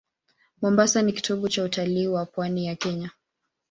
Mombasa ni kitovu cha utalii wa pwani ya Kenya.